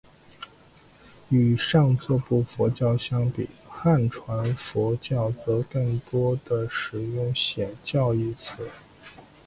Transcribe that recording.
与上座部佛教相比汉传佛教则更多地使用显教一词。